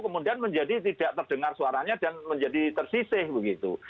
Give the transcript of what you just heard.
kemudian menjadi tidak terdengar suaranya dan menjadi tersisih begitu